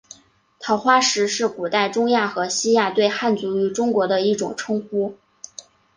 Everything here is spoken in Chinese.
桃花石是古代中亚和西亚对汉族与中国的一种称呼。